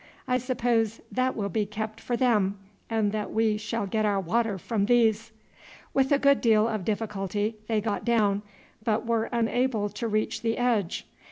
I suppose that will be kept for them, and that we shall get our water from these." With a good deal of difficulty they got down, but were unable to reach the edge.